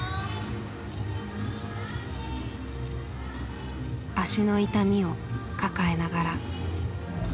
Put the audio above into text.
足の痛みを抱えながら。